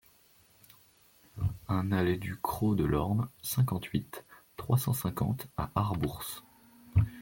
un allée du Crot de l'Orme, cinquante-huit, trois cent cinquante à Arbourse